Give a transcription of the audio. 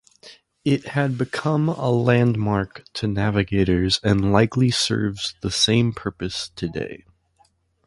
It had become a landmark to navigators and likely serves the same purpose today.